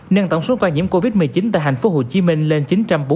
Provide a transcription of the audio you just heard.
nâng tổng số ca nhiễm covid một mươi chín tại tp hcm lên chín trăm bốn mươi bốn